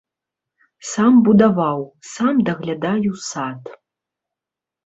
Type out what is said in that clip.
Сам будаваў, сам даглядаю сад.